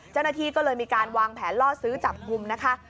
เจ้าหน้าที่ก็เลยมีการวางแผนล่อซื้อจับกลุ่มนะคะ